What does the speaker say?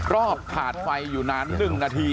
รอบขาดไฟอยู่นาน๑นาที